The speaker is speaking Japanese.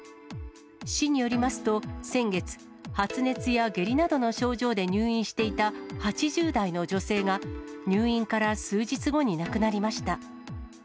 市によりますと、先月、発熱や下痢などの症状で入院していた８０代の女性が、入院から数日後に亡くなりました。